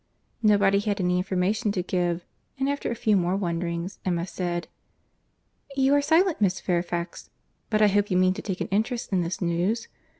Nobody had any information to give; and, after a few more wonderings, Emma said, "You are silent, Miss Fairfax—but I hope you mean to take an interest in this news.